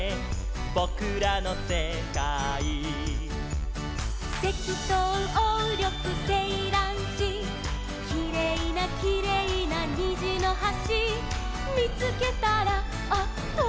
「ぼくらのせかい」「セキトウオウリョクセイランシ」「きれいなきれいなにじのはし」「みつけたらあっというまに」